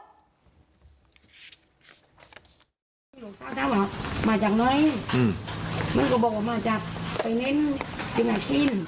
หลุงสาวเรียกว่ามาจากไหนมึงก็บอกว่ามาจากไฟแนนซ์จึงไหนกิน